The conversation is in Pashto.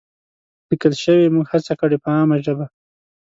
لیکل شوې، موږ هڅه کړې په عامه ژبه